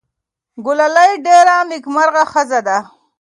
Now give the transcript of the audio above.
ګلالۍ ډېره نېکمرغه ښځه ده.